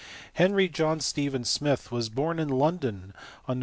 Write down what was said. Henry John Stephen Smith was born in London on Nov.